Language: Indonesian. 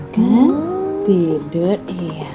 kita pulang ya